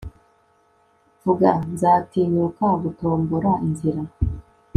vuga! nzatinyuka gutombora inzira